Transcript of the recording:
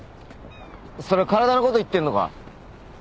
それ体のこと言ってんのか？